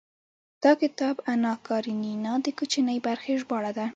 دا کتاب اناکارينينا د کوچنۍ برخې ژباړه ده.